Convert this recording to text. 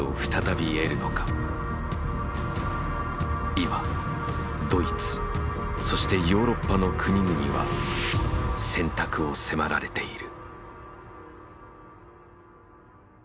今ドイツそしてヨーロッパの国々は選択を迫られている。